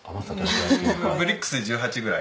ブリックス１８ぐらい。